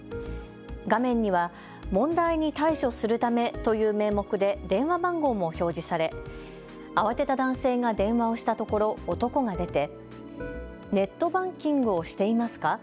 画面には問題に対処するためという名目で電話番号も表示され慌てた男性が電話をしたところ男が出てネットバンキングをしていますか。